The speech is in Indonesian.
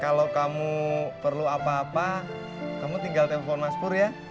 kalau kamu perlu apa apa kamu tinggal telepon maspur ya